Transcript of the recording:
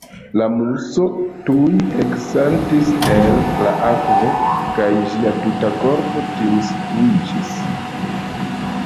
La Muso tuj eksaltis el la akvo, kaj ĝia tuta korpo timskuiĝis.